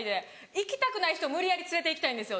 行きたくない人を無理やり連れて行きたいんですよ